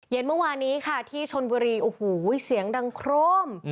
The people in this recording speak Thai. เมื่อวานนี้ค่ะที่ชนบุรีโอ้โหเสียงดังโครม